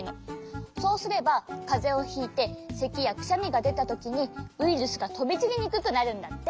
そうすればかぜをひいてせきやくしゃみがでたときにウイルスがとびちりにくくなるんだって。